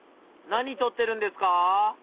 何とってるんですか？